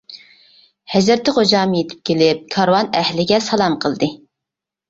ھەزرىتى خوجام يېتىپ كېلىپ، كارۋان ئەھلىگە سالام قىلدى.